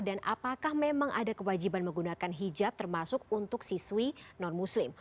dan apakah memang ada kewajiban menggunakan hijab termasuk untuk siswi non muslim